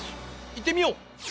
行ってみよう。